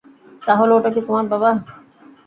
তাহলে ওটা কি তোমার বাবা?